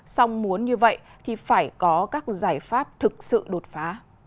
xong muốn như vậy thì phải có các giải pháp thực sự đột phá